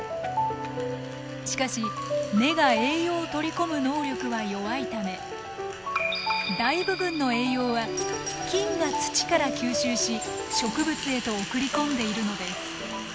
しかし根が栄養を取り込む能力は弱いため大部分の栄養は菌が土から吸収し植物へと送り込んでいるのです。